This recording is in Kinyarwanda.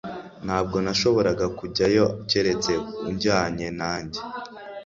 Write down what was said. Ntabwo nashoboraga kujyayo keretse ujyanye nanjye